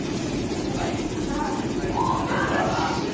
今回、指原さんに描いていただきます。